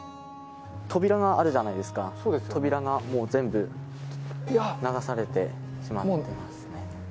扉があるじゃないですか、扉がもう全部流されてしまっています。